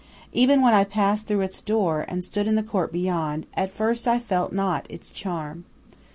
Even when I passed through its door, and stood in the court beyond, at first I felt not its charm.